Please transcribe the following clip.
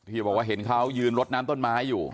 บอกว่าเห็นเขายืนลดน้ำต้นไม้อยู่